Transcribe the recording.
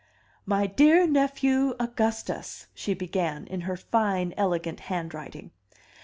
"My dear nephew Augustus," she began, in her fine, elegant handwriting.